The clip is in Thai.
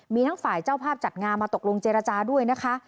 มีทั้งฝ่ายเจ้าภาพจัดงานมาตกลงเจรจาด้วยนะคะ